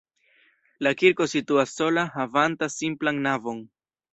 La kirko situas sola havanta simplan navon.